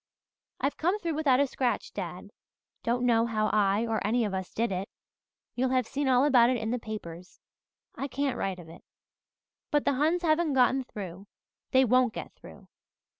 "I've come through without a scratch, dad. Don't know how I or any of us did it. You'll have seen all about it in the papers I can't write of it. But the Huns haven't got through they won't get through.